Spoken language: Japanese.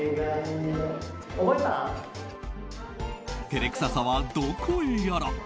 照れくささは、どこへやら。